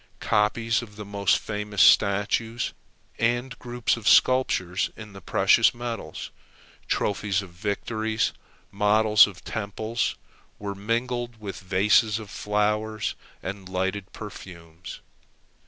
Copies of the most famous statues, and groups of sculpture in the precious metals; trophies of victories; models of temples; were mingled with vases of flowers and lighted perfumes.